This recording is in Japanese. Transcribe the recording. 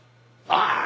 ああ。